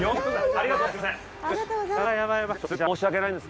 ありがとうございます。